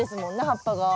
葉っぱが。